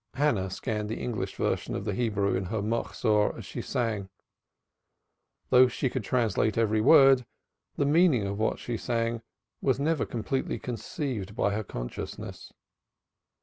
Hannah scanned the English version of the Hebrew in her Machzor as she sang. Though she could translate every word, the meaning of what she sang was never completely conceived by her consciousness.